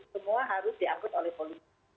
semua harus diangkut oleh polisi